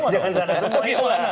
jangan sampai kesana semua